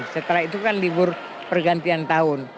setelah itu kan libur pergantian tahun